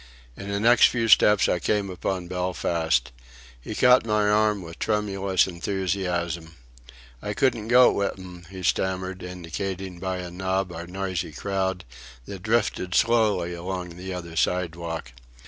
In the next few steps I came upon Belfast. He caught my arm with tremulous enthusiasm. "I couldn't go wi' 'em," he stammered, indicating by a nod our noisy crowd, that drifted slowly along the other sidewalk.